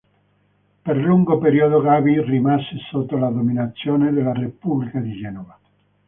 Per lungo periodo Gavi rimase sotto la dominazione della Repubblica di Genova.